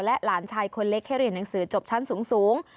หลานชายคนเล็กให้เรียนหนังสือจบชั้นสูง